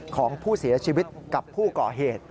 ของผู้เสียชีวิตกับผู้ก่อเหตุ